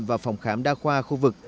và phòng khám đa khoa khu vực